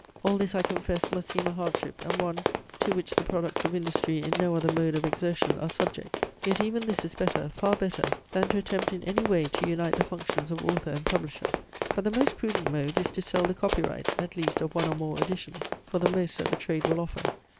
All this, I confess, must seem a hardship, and one, to which the products of industry in no other mode of exertion are subject. Yet even this is better, far better, than to attempt in any way to unite the functions of author and publisher. But the most prudent mode is to sell the copy right, at least of one or more editions, for the most that the trade will offer.